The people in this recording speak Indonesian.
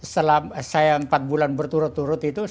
selama saya empat bulan berturut turut itu